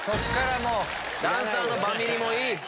ダンサーのバミリもいい。